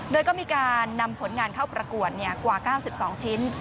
โดยก็มีการนำผลงานเข้าประกวดกว่า๙๒ชิ้น